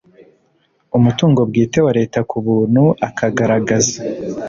umutungo bwite wa Leta ku buntu akagaragaza